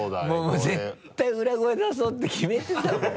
もう絶対裏声出そうって決めてたもん。